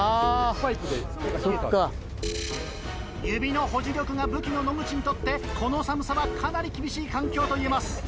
指の保持力が武器の野口にとってこの寒さはかなり厳しい環境といえます。